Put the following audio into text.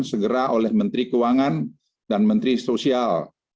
segera oleh menteri keuangan dan menteri sosial